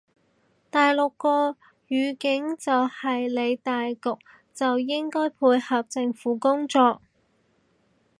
大陸個語境就係理大局就應該配合政府工作